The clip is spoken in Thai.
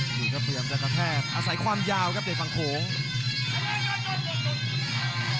ดูครับพยายามจะกระแทกอาศัยความยาวครับเด็กฝั่งโขง